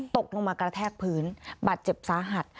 ตกลงมากระแทกพื้นบาดเจ็บสาหัส